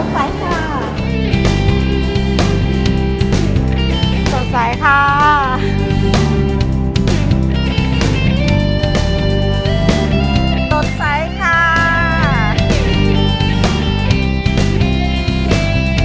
โปรดติดตามตอนต่อไป